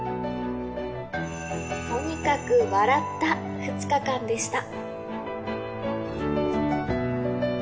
とにかく笑った２日間でした。